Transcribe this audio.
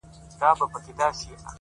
د يوسفي حُسن شروع ته سرگردانه وو،